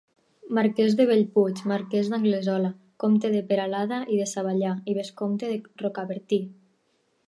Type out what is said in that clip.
Marquès de Bellpuig, marquès d'Anglesola, comte de Peralada i de Savallà i vescomte de Rocabertí.